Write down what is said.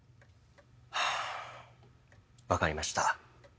はぁわかりました。